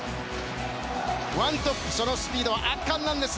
１トップそのスピードは圧巻なんです！